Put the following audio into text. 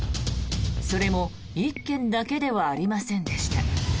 それも１件だけではありませんでした。